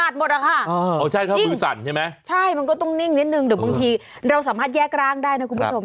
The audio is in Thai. ดีเราสามารถแยกร่างได้นะคุณผู้ชม